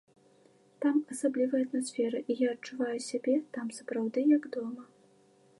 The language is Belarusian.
Там асаблівая атмасфера, і я адчуваю сябе там сапраўды як дома.